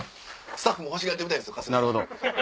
スタッフも欲しがってるみたいですよ春日さん。